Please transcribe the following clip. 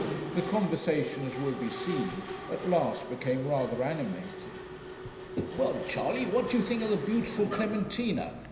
The conversation, as will be seen, at last became rather animated. 'Well, Charley, what do you think of the beautiful Clementina?'